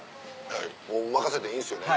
はいもう任せていいんですよね？